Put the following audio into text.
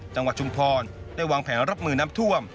ชุมพรได้วางแผนรับมือน้ำท่วม